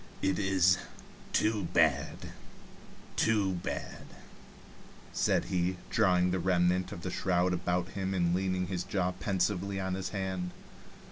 "It is too bad, too bad," said he, drawing the remnant of the shroud about him and leaning his jaw pensively on his hand.